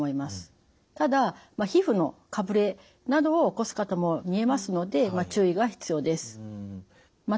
ただ皮膚のかぶれなどを起こす方もみえますので注意が必要です。